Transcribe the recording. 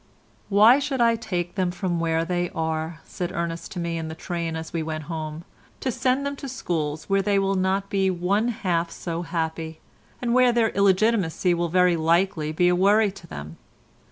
"Why should I take them from where they are," said Ernest to me in the train as we went home, "to send them to schools where they will not be one half so happy, and where their illegitimacy will very likely be a worry to them?